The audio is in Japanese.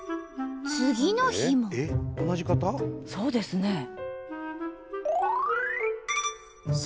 そうですね。